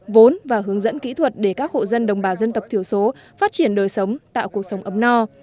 vốn và hướng dẫn kỹ thuật để các hộ dân đồng bào dân tộc thiểu số phát triển đời sống tạo cuộc sống ấm no